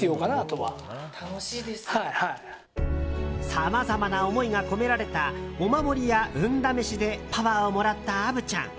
さまざまな思いが込められたお守りや運試しでパワーをもらった虻ちゃん。